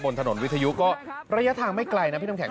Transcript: ถนนวิทยุก็ระยะทางไม่ไกลนะพี่น้ำแข